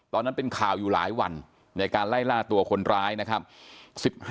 ตอนนั้นเป็นข่าวอยู่หลายวันในการไล่ล่าตัวคนร้ายนะครับ